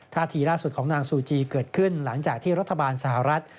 ทีล่าสุดของนางซูจีเกิดขึ้นหลังจากที่รัฐบาลสหรัฐ